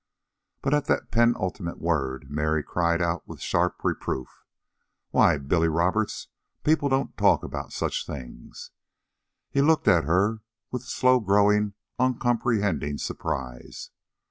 But at the penultimate word, Mary cried out with sharp reproof: "Why, Billy Roberts, people don't talk about such things." He looked at her with slow growing, uncomprehending surprise.